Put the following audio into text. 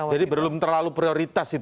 jadi belum terlalu prioritas itu ya